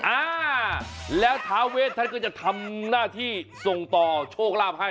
อ่าแล้วท้าเวทท่านก็จะทำหน้าที่ส่งต่อโชคลาภให้